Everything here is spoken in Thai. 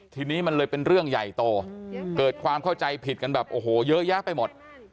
ทีนี้มันเลยเป็นเรื่องใหญ่โตเกิดความเข้าใจผิดกันแบบโอ้โหเยอะแยะไปหมด